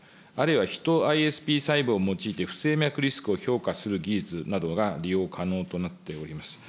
あるいはヒトアイエスピー細胞を用いて不整脈リスクを評価する技術などが利用可能となっております。